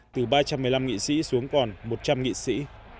từ ba trăm một mươi năm nghị sĩ xuống còn một trăm linh nghị sĩ